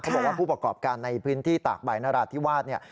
บอกว่าผู้ประกอบการในพื้นที่ตากใบนราธิวาสเนี่ย